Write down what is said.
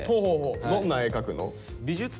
どんな絵描くの？